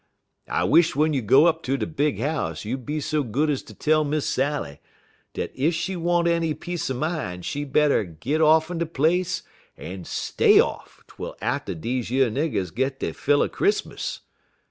I wish w'en you go up ter de big house you be so good ez ter tell Miss Sally dat ef she want any peace er min' she better git off'n de place en stay off twel atter deze yer niggers git dey fill er Chris'mus.